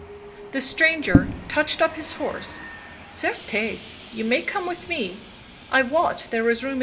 The stranger touched up his horse. " Certes, you may come with me. I wot there is room enow."